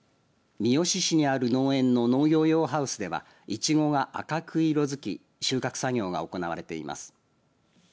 三次市にある農園の農業用ハウスではいちごが赤く色づき収穫作業が行われています。